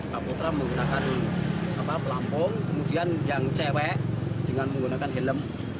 pak putra menggunakan pelampung kemudian yang cewek dengan menggunakan helm